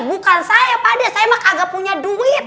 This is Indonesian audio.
bukan saya pak de saya mah kagak punya duit